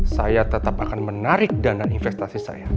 saya tetap akan menarik dana investasi saya